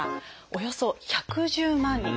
およそ１１０万人。